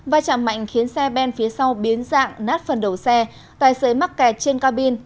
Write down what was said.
và chạm mạnh khiến xe ben phía sau biến dạng nát phần đầu xe tài xế mắc kẹt trên cabin